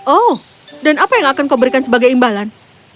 oh dan apa yang kau akan berikan sebagai imbalan